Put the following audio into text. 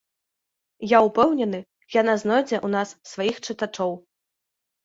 Я ўпэўнены, яна знойдзе ў нас сваіх чытачоў.